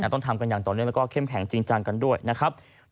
ต้องทำกันอย่างต่อเนื่องแล้วก็เข้มแข็งจริงจังกันด้วยนะครับ